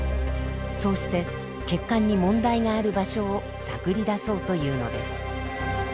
そうして血管に問題がある場所を探り出そうというのです。